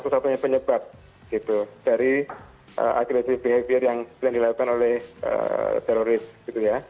satu satunya penyebab gitu dari agresif behavior yang dilakukan oleh teroris gitu ya